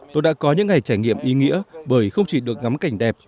tôi đã có những ngày trải nghiệm ý nghĩa bởi không chỉ được ngắm cảnh đẹp